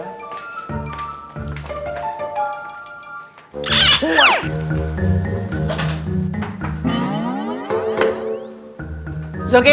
pindah ke sini